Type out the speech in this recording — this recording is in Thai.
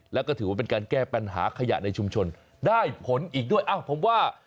แล้วก็ถือว่าเป็นการแก้ปัญหาขยะในชุมชนได้ผลอีกด้วยอ้าวผมว่า